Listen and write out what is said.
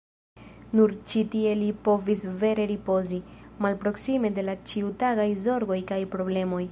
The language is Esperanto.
Nur ĉi tie li povis vere ripozi, malproksime de la ĉiutagaj zorgoj kaj problemoj.